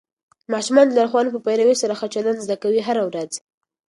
ماشومان د لارښوونو په پیروي سره ښه چلند زده کوي هره ورځ.